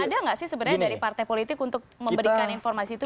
ada nggak sih sebenarnya dari partai politik untuk memberikan informasi itu